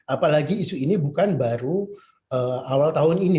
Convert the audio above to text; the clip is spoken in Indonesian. apalagi isu ini bukan baru awal tahun ini